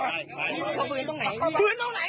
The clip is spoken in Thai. พวกเขาฝืนนั่งไหน